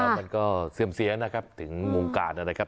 มันก็เสี่ยมเสียนะครับถึงมุมกาลอะไรครับ